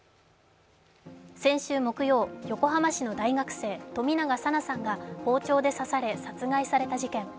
先週木曜、横浜市の大学生冨永紗菜さんが包丁で刺され殺害された事件。